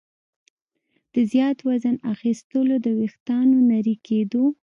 د زیات وزن اخیستلو، د ویښتانو نري کېدو